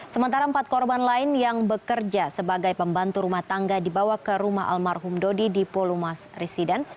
sementara empat korban lain yang bekerja sebagai pembantu rumah tangga dibawa ke rumah almarhum dodi di polumas residence